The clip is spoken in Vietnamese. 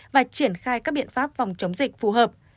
và triển khai các biện pháp phòng chống dịch phù hợp